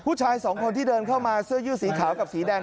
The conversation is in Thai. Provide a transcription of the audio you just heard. ผู้ชายสองคนที่เดินเข้ามาเสื้อยืดสีขาวกับสีแดง